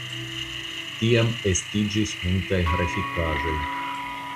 Tiam estiĝis multaj grafikaĵoj.